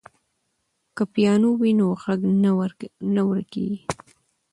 که پیانو وي نو غږ نه ورکېږي.